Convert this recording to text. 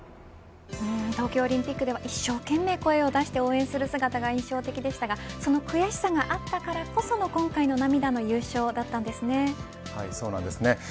東京オリンピックでは一生懸命声を出して応援する姿が印象的でしたがその悔しさがあったからこその今回の涙の優勝だったんですね。